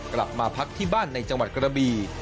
กลับมาพักที่บ้านในจังหวัดกระบี